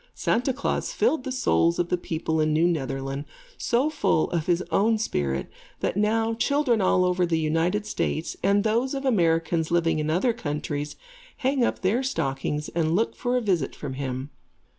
Santa Klaas filled the souls of the people in New Netherland so full of his own spirit, that now children all over the United States, and those of Americans living in other countries, hang up their stockings and look for a visit from him.